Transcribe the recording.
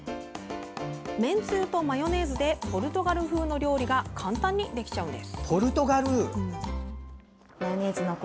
めんつゆとマヨネーズでポルトガル風の料理が簡単にできちゃうんです。